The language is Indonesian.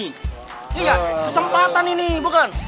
ini ga kesempatan ini bukan